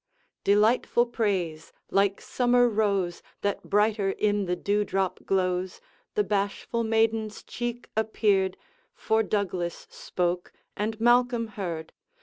Delightful praise! like summer rose, That brighter in the dew drop glows, The bashful maiden's cheek appeared, For Douglas spoke, and Malcolm heard.